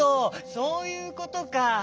そういうことか。